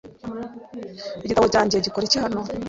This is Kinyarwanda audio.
Igitabo cyanjye gikora iki hano?